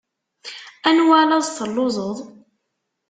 Anwa laẓ telluẓeḍ?